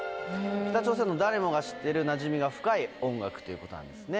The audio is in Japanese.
北朝鮮の誰もが知ってるなじみが深い音楽ということなんですね。